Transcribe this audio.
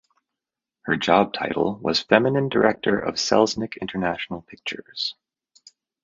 Her job title was Feminine Director of Selznick International Pictures.